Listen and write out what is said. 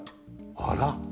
あら。